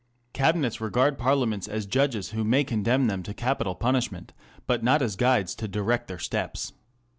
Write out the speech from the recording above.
Cabinets regard Parliaments as judges who may condemn them to capital punish ment, but not as guides to direct their steps.